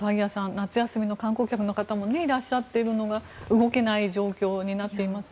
夏休みの観光客の方もいらっしゃっているのが動けない状況になっていますね。